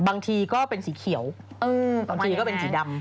บางทีก็เป็นสีเขียวบางทีก็เป็นสีดำ